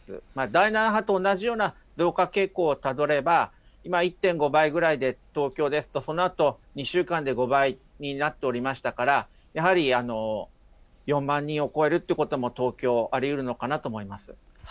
第７波と同じような増加傾向をたどれば、１．５倍ぐらいで東京ですと、そのあと、２週間で５倍になっておりましたから、やはり４万人を超えるっていうことも、東京、ありうるのかなと思います。